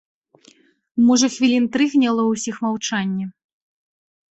Можа, хвілін тры гняло ўсіх маўчанне.